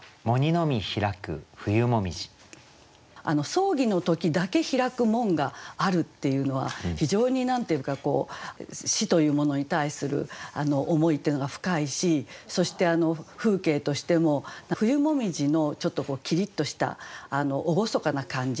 葬儀の時だけ開く門があるっていうのは非常に何て言うのかこう死というものに対する思いっていうのが深いしそして風景としても冬紅葉のちょっとキリッとした厳かな感じ